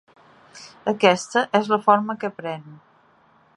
Aquesta és la forma que pren.